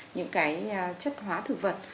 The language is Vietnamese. những cái chất hóa thử vật